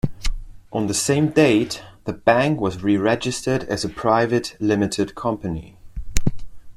On the same date, the Bank was re-registered as a private limited company.